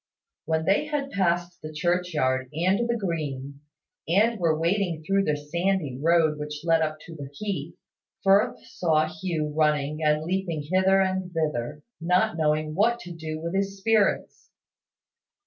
When they had passed the churchyard and the green, and were wading through the sandy road which led up to the heath, Firth saw Hugh running and leaping hither and thither, not knowing what to do with his spirits.